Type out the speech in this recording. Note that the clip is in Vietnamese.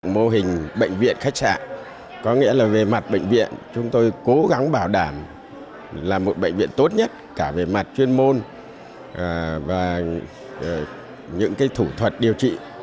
mô hình bệnh viện khách sạn có nghĩa là về mặt bệnh viện chúng tôi cố gắng bảo đảm là một bệnh viện tốt nhất cả về mặt chuyên môn và những thủ thuật điều trị